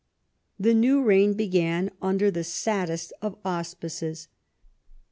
The new reign began under the saddest of aus pices.